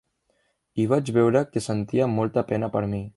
I vaig veure que sentia molta pena per mi.